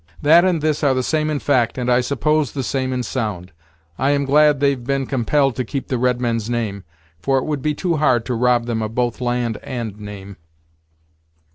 "That and this are the same in fact, and, I suppose, the same in sound. I am glad they've been compelled to keep the redmen's name, for it would be too hard to rob them of both land and name!"